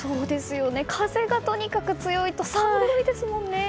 風がとにかく強いと寒いですものね。